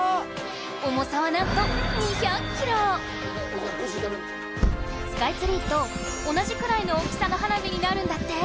重さはなんとスカイツリーと同じくらいの大きさの花火になるんだって。